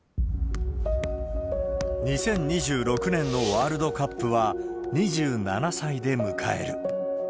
２０２６年のワールドカップは、２７歳で迎える。